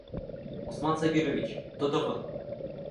Усман Сабирович, тотоғоҙ!